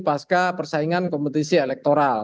pasca persaingan kompetisi elektoral